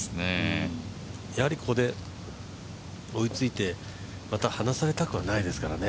やはりここで追いついてまた離されたくはないですからね。